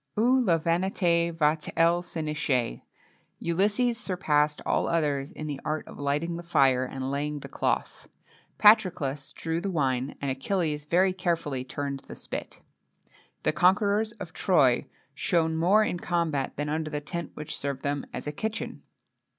Où la vanité va t elle se nicher? Ulysses surpassed all others in the art of lighting the fire, and laying the cloth.[XXII 8] Patroclus drew the wine, and Achilles very carefully turned the spit.[XXII 9] The conquerors of Troy shone more in the combat than under the tent which served them as kitchen.